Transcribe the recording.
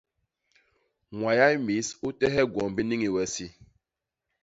Ñwayay mis u tehe gwom bi niñi we isi.